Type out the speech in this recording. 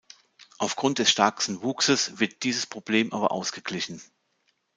Aufgrund des starken Wuchses wird dieses Problem aber ausgeglichen.